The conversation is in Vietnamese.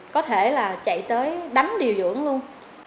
có thể là chạy tới đánh điều dưỡng luôn